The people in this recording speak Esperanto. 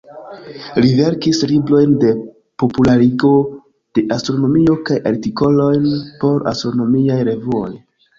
Li verkis librojn de popularigo de astronomio kaj artikolojn por astronomiaj revuoj.